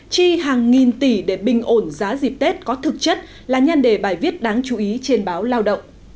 chi hàng nghìn tỷ để bình ổn giá dịp tết có thực chất là nhân đề bài viết đáng chú ý trên báo lao động